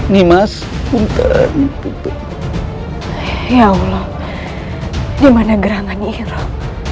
nimas punter ya allah dimana gerangan nyiroh